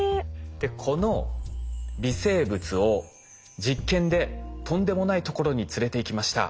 この微生物を実験でとんでもないところに連れていきました。